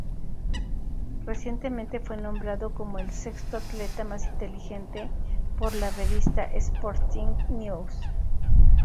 Recientemente fue nombrado como el sexto atleta más inteligente por la revista Sporting News.